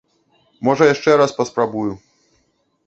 Можа яшчэ раз паспрабую.